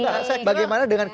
apalagi dolar lagi naik